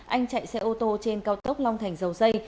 anh chạy xe ô tô trên cao tốc long thành dầu dây